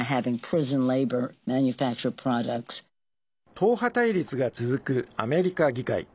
党派対立が続くアメリカ議会。